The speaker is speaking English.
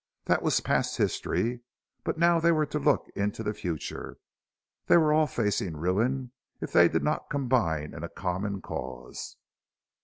That was past history. But now they were to look into the future; they were all facing ruin if they did not combine in a common cause.